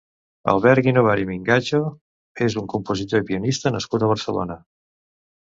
Albert Guinovart i Mingacho és un compositor i pianista nascut a Barcelona.